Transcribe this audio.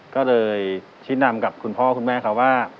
ก็เลยชี้นำกับคุณพ่อคุณแม่เขาว่า